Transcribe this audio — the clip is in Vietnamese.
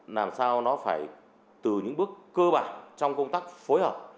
làm sao nó phải từ những bước cơ bản trong công tác phối hợp